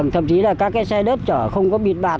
thậm chí là các cái xe đất chở không có bịt bạc